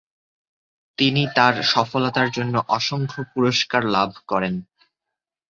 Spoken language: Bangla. তিনি তার সফলতার জন্য অসংখ্য পুরস্কার লাভ করেন।